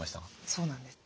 そうなんです。